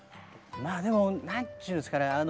まあでも何ちゅうんですかね